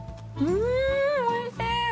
うんおいしい！